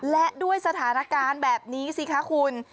และด้วยสถานการณ์แบบนี้สิคะคุณ